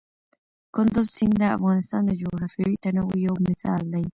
کندز سیند د افغانستان د جغرافیوي تنوع یو مثال دی.